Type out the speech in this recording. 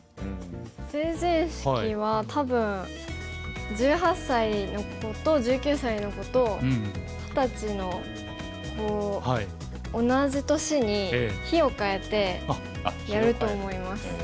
成人式は多分１８歳の子と１９歳の子と二十歳の子同じ年に日を変えてやると思います。